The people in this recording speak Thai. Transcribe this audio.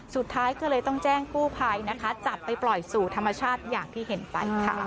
สุดท้ายก็เลยต้องแจ้งกู้ภัยนะคะจับไปปล่อยสู่ธรรมชาติอย่างที่เห็นไปค่ะ